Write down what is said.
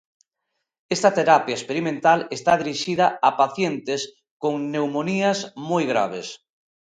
Esta terapia experimental está dirixida a pacientes con pneumonías moi graves.